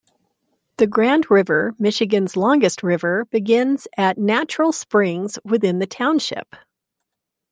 The Grand River, Michigan's longest river, begins at natural springs within the township.